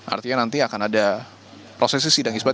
artinya nanti akan ada prosesi sidang isbat